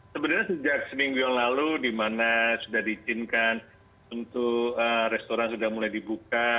sebenarnya sejak seminggu yang lalu di mana sudah diizinkan untuk restoran sudah mulai dibuka